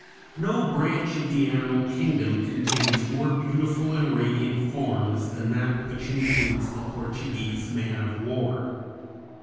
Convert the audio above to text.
No branch of the animal kingdom contains more beautiful and radiant forms than that which includes the Portuguese man of war.